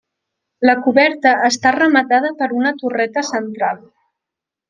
La coberta està rematada per una torreta central.